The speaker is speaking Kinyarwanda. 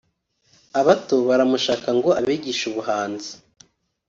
abato baramushaka ngo abigishe ubuhanzi